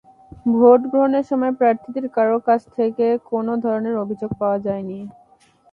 Vote গ্রহণের সময় প্রার্থীদের কারও কাছ থেকে কোনো ধরনের অভিযোগ পাওয়া যায়নি।